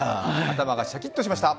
頭がシャキッとしました。